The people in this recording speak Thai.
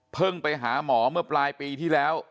ไปหาหมอเมื่อปลายปีที่แล้ว